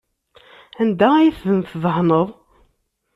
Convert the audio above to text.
Anda ay ten-tdehneḍ?